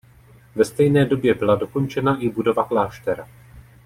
Ve stejné době byla dokončena i budova kláštera.